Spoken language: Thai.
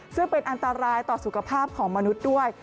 ซึ่งเป็นอันตรายต่อสุขภาพของมนุษย์ด้วย